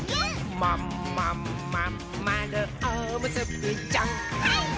「まんまんまんまるおむすびちゃん」はいっ！